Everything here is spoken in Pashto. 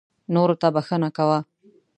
نورو ته بښنه کوه .